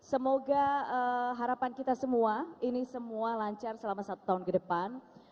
semoga harapan kita semua ini semua lancar selama satu tahun ke depan